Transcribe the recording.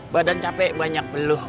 badan capek banyak peluh